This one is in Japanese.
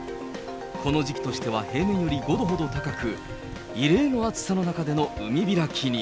この時期としては平年より５度ほど高く、異例の暑さの中での海開きに。